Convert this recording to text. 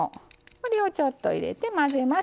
これをちょっと入れて混ぜます。